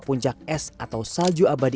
puncak es atau salju abadi